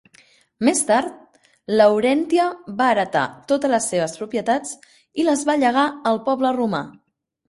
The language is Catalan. Més tard, Laurèntia va heretar totes les seves propietats i les va llegar al poble romà.